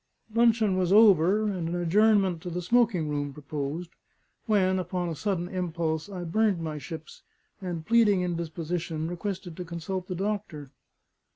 Luncheon was over, and an adjournment to the smoking room proposed, when (upon a sudden impulse) I burned my ships, and pleading indisposition, requested to consult the doctor.